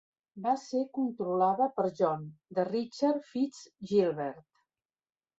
Va ser controlada per John, de Richard Fitz Gilbert.